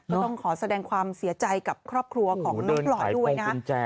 ก็ต้องขอแสดงความเสียใจกับครอบครัวของน้องพลอยด้วยนะ